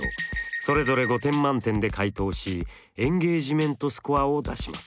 それぞれ５点満点で回答しエンゲージメントスコアを出します。